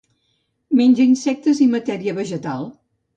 Menja insectes i matèria vegetal.